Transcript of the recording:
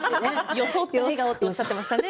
装った笑顔とおっしゃっていました。